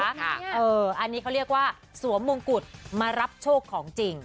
อันนี้เขาเรียกว่าสวมมงกุฎมารับโชคของจริง